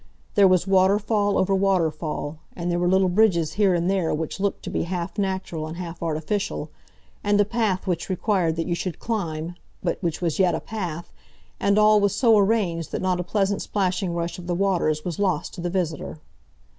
There was waterfall over waterfall, and there were little bridges here and there which looked to be half natural and half artificial, and a path which required that you should climb, but which was yet a path, and all was so arranged that not a pleasant splashing rush of the waters was lost to the visitor.